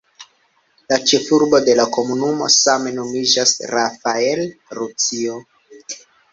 La ĉefurbo de la komunumo same nomiĝas "Rafael Lucio".